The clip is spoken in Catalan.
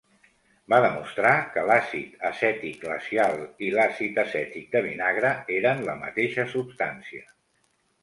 Va demostrar que l'àcid acètic glacial i l'àcid acètic de vinagre eren la mateixa substància.